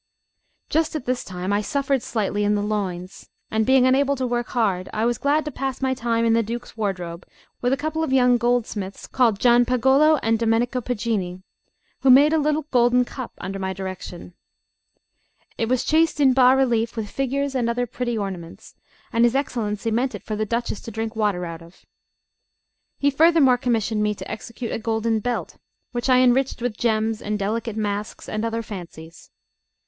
Just at this time I suffered slightly in the loins, and being unable to work hard, I was glad to pass my time in the Duke's wardrobe with a couple of young goldsmiths called Gianpagolo and Domenico Poggini, who made a little golden cup under my direction. It was chased in bas relief with figures and other pretty ornaments, and his Excellency meant it for the Duchess to drink water out of. He furthermore commissioned me to execute a golden belt, which I enriched with gems and delicate masks and other fancies.